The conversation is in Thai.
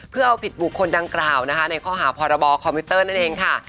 เพื่อเอาผิดบุคคลดังกล่าวนะคะในข้อหาพรบคอมพิวเตอร์นั่นเองค่ะ